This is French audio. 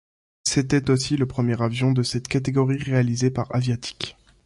C'était aussi le premier avion de cette catégorie réalisé par Aviatik.